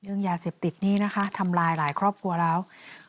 เรื่องยาเสพติดนี้นะคะทำลายหลายครอบครัวแล้ว